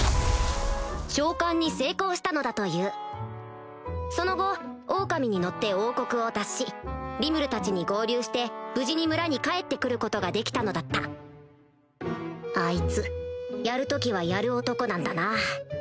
召喚に成功したのだというその後狼に乗って王国を脱しリムルたちに合流して無事に村に帰って来ることができたのだったあいつやる時はやる男なんだな